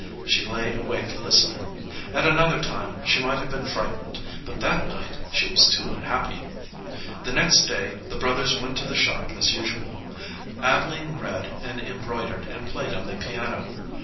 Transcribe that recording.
She lay awake listening. At another time she might have been frightened, but that night she was too un happy. The next day the brothers went to the shop as usual. Adeline read and embroidered and played on the piano.